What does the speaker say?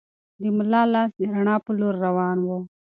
د ملا لاس د رڼا په لور روان و.